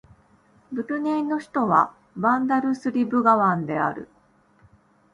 ブルネイの首都はバンダルスリブガワンである